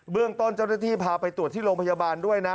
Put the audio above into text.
เรื่องต้นเจ้าหน้าที่พาไปตรวจที่โรงพยาบาลด้วยนะ